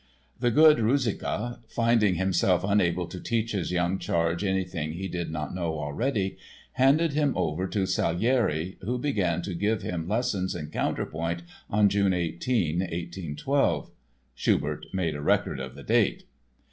The good Ruziczka, finding himself unable to teach his young charge anything he did not know already, handed him over to Salieri, who began to give him lessons in counterpoint on June 18, 1812 (Schubert made a record of the date).